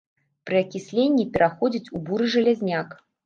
Пры акісленні пераходзіць у буры жалязняк.